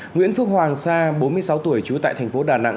nguyễn phước hoàng sa bốn mươi sáu tuổi trú tại thành phố đà nẵng